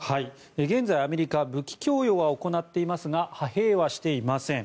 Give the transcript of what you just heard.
現在、アメリカ武器供与は行っていますが派兵はしていません。